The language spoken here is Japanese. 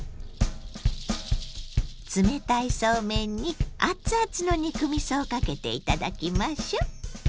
冷たいそうめんに熱々の肉みそをかけて頂きましょう。